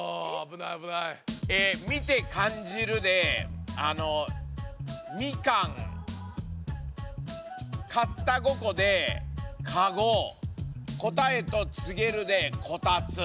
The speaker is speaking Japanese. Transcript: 「見て感じる」で「みかん」「買った五こ」で「かご」「答えを告げる」で「こたつ」。